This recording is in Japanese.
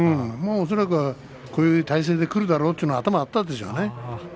こういう体勢でくるだろうというが恐らく頭にあったでしょうね。